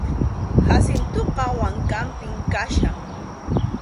Jacintoqa wankanpim kachkan.